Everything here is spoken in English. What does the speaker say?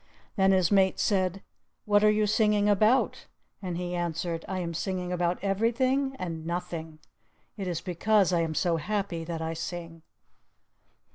Then his mate said, "What are you singing about?" And he answered, "I am singing about everything and nothing. It is because I am so happy that I sing."